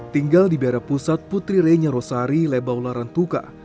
tinggal di biara pusat putri renya rosari lebaularan tuka